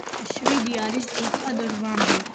შვიდი არის ზუსტად რვამდე.